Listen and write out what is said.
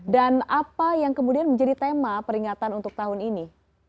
dan apa yang kemudian menjadi tema peringatan untuk tahun ini